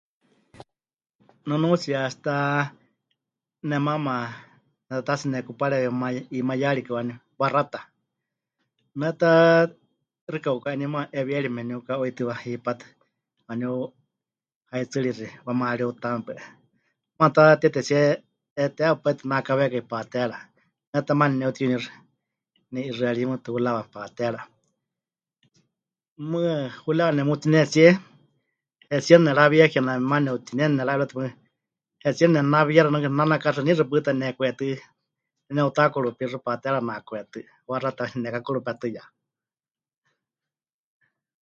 Nunuutsiyatsita nemaama netataatsi nekupareewi 'ima... 'imayarikɨ waaníu, waxáta, me ta xɨka 'uka'eni muuwa 'ewieri memɨniuka'uitɨwa hipátɨ, waaníu haɨtsɨ́riixi wamariutaame paɨ 'i, maana ta tetetsíe 'eteewa pai tɨ nakawekai pateera, ne ta maana neneutiyuníxɨ, ne'i'ixɨarímɨtɨ hurawa pateera, mɨɨkɨ hurawa nemutinetsie, hetsiena nerawiyake kename maana ne'utineni nera'eriwatɨ paɨ 'i hetsiena netinawiyaxɨ mɨɨkɨ, nanakaxɨníxɨ pɨta, nehekwetɨ́ neneutakurupíxɨ, pateera nakwetɨ́, waxáta nenekakurupétɨya.